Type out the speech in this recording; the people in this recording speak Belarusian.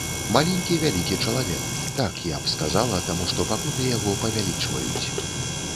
Маленькі вялікі чалавек, так я б сказала, таму што пакуты яго павялічваюць.